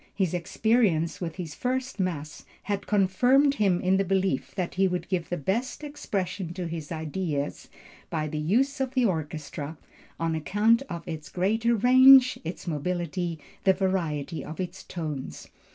His experience with his first mass had confirmed him in the belief that he could give the best expression to his ideas by the use of the orchestra, on account of its greater range, its mobility, the variety of its tones.